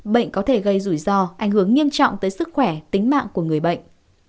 bệnh có thể gây rủi ro ảnh hưởng nghiêm trọng tới sức khỏe tính mạng của người bệnh